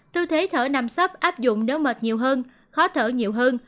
tư thế thở nằm sắp áp dụng nếu mệt nhiều hơn khó thở nhiều hơn